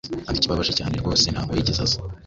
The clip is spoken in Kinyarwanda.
Kandi ikibabaje cyanerwose ntabwo yigeze aza